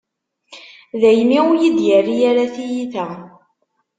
Daymi ur iyi-d-yerri ara tiyita.